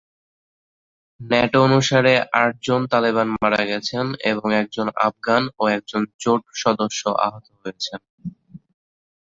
NATO অনুসারে, আটজন তালেবান মারা গেছেন এবং একজন আফগান ও একজন জোট সদস্য আহত হয়েছেন।